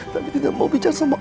tapi tidak mau bicara sama